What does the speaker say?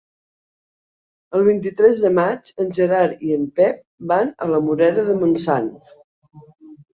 El vint-i-tres de maig en Gerard i en Pep van a la Morera de Montsant.